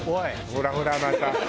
ほらほらまた。